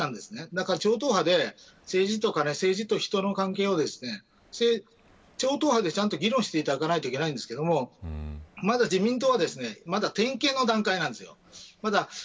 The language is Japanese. だから超党派で政治と人の関係を超党派で議論していただかないといけないんですけどまだ自民党は点検の段階なんです。